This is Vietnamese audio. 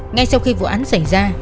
ngay sau khi vụ án xảy ra